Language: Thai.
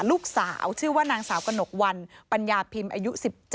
ลูกสาวชื่อว่านางสาวกระหนกวันปัญญาพิมพ์อายุ๑๗